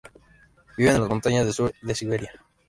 Vive en las montañas del sur de Siberia.